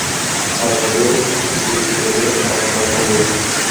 আমাদের সিস্টেমে তার নাম অমর।